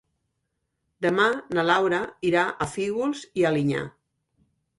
Demà na Laura irà a Fígols i Alinyà.